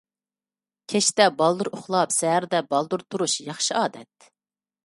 كەچتە بالدۇر ئۇخلاپ، سەھەردە بالدۇر تۇرۇش — ياخشى ئادەت.